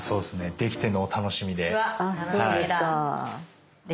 出来てのお楽しみで。